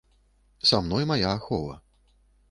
Са мной мая ахова.